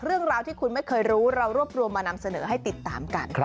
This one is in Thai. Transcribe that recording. เรื่องราวที่คุณไม่เคยรู้เรารวบรวมมานำเสนอให้ติดตามกัน